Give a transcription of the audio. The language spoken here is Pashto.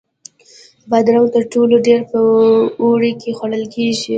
بادرنګ تر ټولو ډېر په اوړي کې خوړل کېږي.